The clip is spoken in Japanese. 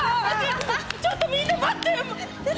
ちょっとみんな待って！